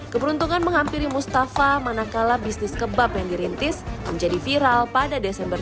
keberuntungan menghampiri mustafa manakala bisnis kebab yang dirintis menjadi viral pada desember dua ribu tujuh belas